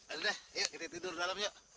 aduh deh yuk kita tidur dalam yuk